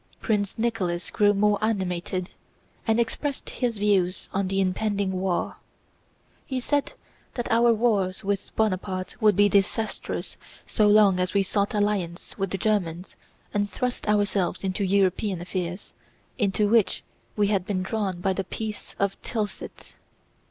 Prince Nicholas grew more animated and expressed his views on the impending war. He said that our wars with Bonaparte would be disastrous so long as we sought alliances with the Germans and thrust ourselves into European affairs, into which we had been drawn by the Peace of Tilsit.